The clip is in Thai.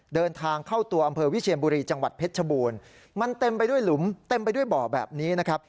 เดินทางเข้าตัวอำเภอวิเชียนบุรีจังหวัดเพชรชบูรณ์มันเต็มไปด้วยหลุมเต็มไปด้วยบ่อแบบนี้นะครับ